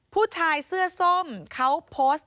ผู้ชายเสื้อส้มเขาโพสต์